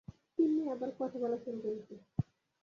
তিন্নি আবার কথা বলা শুরু করেছে।